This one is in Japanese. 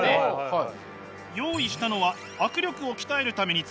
はい！